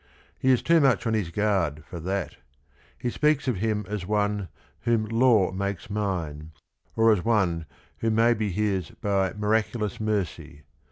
He is too much on his guard for that: he speaks of him as one "whom law makes mine," or as one who may be his by "miraculous mercy."